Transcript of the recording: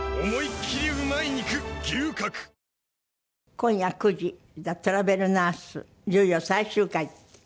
今夜９時『ザ・トラベルナース』いよいよ最終回。